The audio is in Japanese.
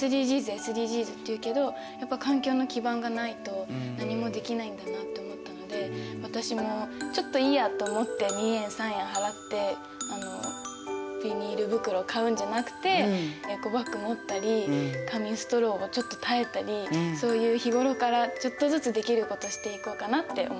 ＳＤＧｓＳＤＧｓっていうけどやっぱ環境の基盤がないと何もできないんだなと思ったので私もちょっといいやと思って２円３円払ってビニール袋を買うんじゃなくてエコバッグ持ったり紙ストローをちょっと耐えたりそういう日頃からちょっとずつできることをしていこうかなって思いました。